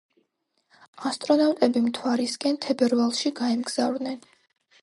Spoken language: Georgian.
ასტრონავტები მთვარისკენ, თებერვალში გაემგზავრნენ.